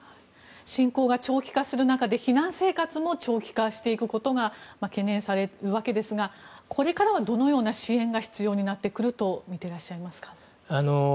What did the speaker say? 侵攻が長期化する中避難生活も長期化することが懸念されるわけですがこれからはどのような支援が必要になってくるとみていらっしゃいますか？